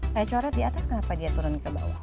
saya coret di atas kenapa dia turun ke bawah